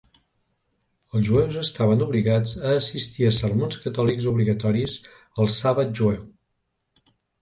Els jueus estaven obligats a assistir a sermons catòlics obligatoris el "sàbat" jueu.